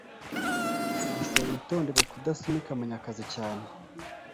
Gusa witondere kudasunika Munyakazi cyane